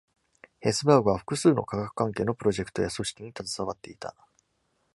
ヘスバーグは複数の科学関係のプロジェクトや組織に携わっていた。